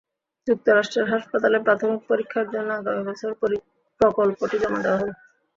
যুক্তরাষ্ট্রের হাসপাতালে প্রাথমিক পরীক্ষার জন্য আগামী বছর প্রকল্পটি জমা দেওয়া হবে।